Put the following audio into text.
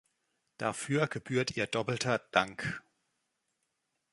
Dafür gebührt ihr doppelter Dank.